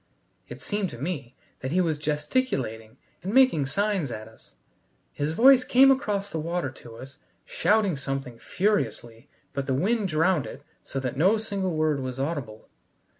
It seemed to me that he was gesticulating and making signs at us. His voice came across the water to us shouting something furiously but the wind drowned it so that no single word was audible.